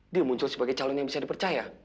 dia muncul sebagai calon yang bisa dipercaya